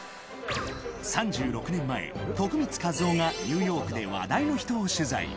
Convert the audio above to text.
３６年前、徳光和夫がニューヨークで話題の人を取材。